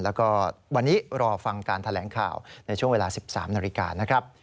แล้วก็วันนี้รอฟังการแถลงข่าวในช่วงเวลา๑๓นาฬิกานะครับ